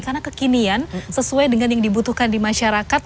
karena kekinian sesuai dengan yang dibutuhkan di masyarakat